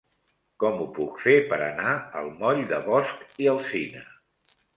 Com ho puc fer per anar al moll de Bosch i Alsina?